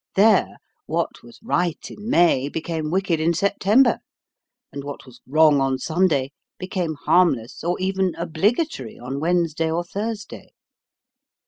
There, what was right in May became wicked in September, and what was wrong on Sunday became harmless or even obligatory on Wednesday or Thursday.